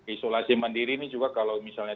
isolasi mandiri ini juga kalau misalnya